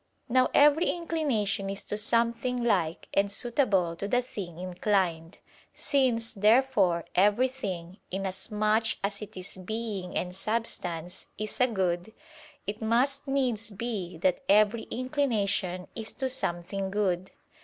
Now every inclination is to something like and suitable to the thing inclined. Since, therefore, everything, inasmuch as it is being and substance, is a good, it must needs be that every inclination is to something good.